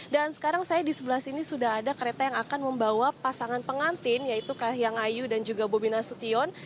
dan sekarang saya di sebelah sini sudah ada kereta yang akan membawa pasangan pengantin yaitu kaya ngayu dan juga bobina sution